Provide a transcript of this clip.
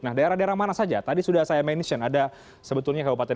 nah daerah daerah mana saja tadi sudah saya mention ada sebetulnya kabupaten